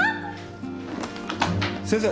先生。